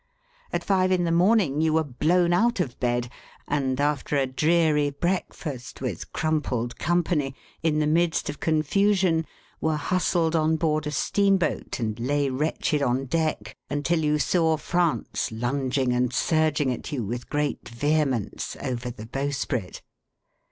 At five in the morning you were blown out of bed, and after a dreary breakfast, with crumpled company, in the midst of confusion, were hustled on board a steamboat and lay wretched on deck until you saw France lunging and surging at you with great vehemence over the bowsprit.